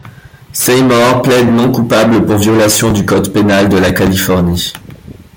Seymore plaide non coupable pour violation du code pénal de la Californie.